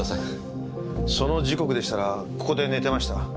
その時刻でしたらここで寝てました。